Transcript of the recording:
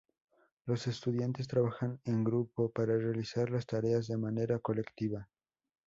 Los estudiantes trabajan en grupo para realizar las tareas de manera colectiva.